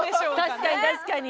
確かに確かに。